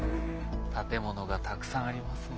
建物がたくさんありますね。